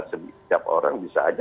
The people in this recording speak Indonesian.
setiap orang bisa aja